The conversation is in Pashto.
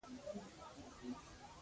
عمرا خان له کړکۍ څخه لاندې راکښته شو.